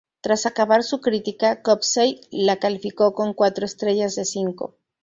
Tras acabar su crítica, Copsey la calificó con cuatro estrellas de cinco.